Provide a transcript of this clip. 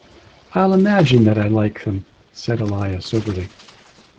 “I’ll imagine that I like them,” said Aaliyah soberly.